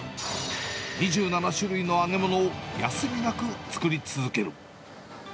２７種類の揚げ物を休みなく作り続ける。